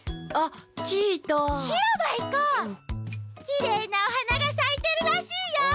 きれいなおはながさいてるらしいよ！